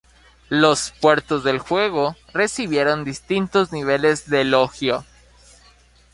Los puertos del juego recibieron distintos niveles de elogio.